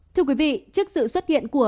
thưa quý vị trước sự xuất hiện của